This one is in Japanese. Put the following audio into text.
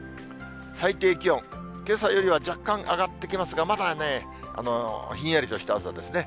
最低気温、けさよりは若干上がってきますが、まだね、ひんやりとした朝ですね。